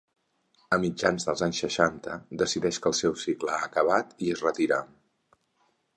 A mitjans dels anys seixanta decideix que el seu cicle ha acabat i es retira.